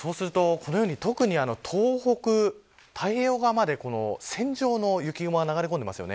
特に東北、太平洋側まで線状の雪雲が流れ込んでいます。